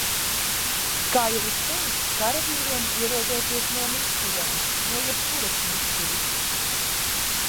Kā jau es teicu, karavīriem, ierodoties no misijām – no jebkuras misijas!